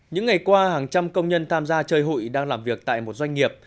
những ngày qua hàng trăm công nhân tham gia chơi hụi đang làm việc tại một doanh nghiệp